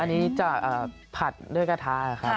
อันนี้จะผัดด้วยกระทะครับ